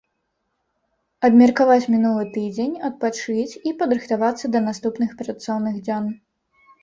Абмеркаваць мінулы тыдзень, адпачыць і падрыхтавацца да наступных працоўных дзён.